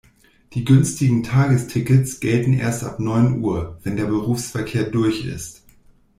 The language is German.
Die günstigen Tagestickets gelten erst ab neun Uhr, wenn der Berufsverkehr durch ist.